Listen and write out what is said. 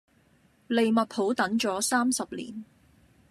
利物浦等咗三十年